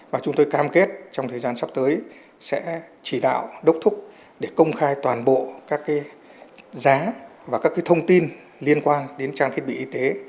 và chúng tôi cam kết trong thời gian sắp tới sẽ chỉ đạo đốc thúc để công khai toàn bộ các giá và các thông tin liên quan đến trang thiết bị y tế